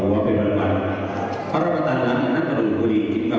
แม้กับหัวกวายภรรกติดภรรกติดมา